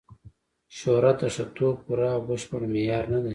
شهرت د ښه توب پوره او بشپړ معیار نه دی.